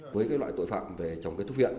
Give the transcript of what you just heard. với loại tội phạm về trồng cây thuốc viện